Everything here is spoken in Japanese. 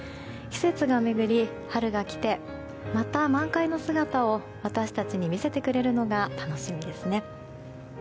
季節が廻り春が来てまた満開の姿を私たちに見せてくれるのが楽しみですね。